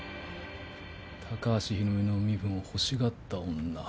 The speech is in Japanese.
高橋博美の身分を欲しがった女。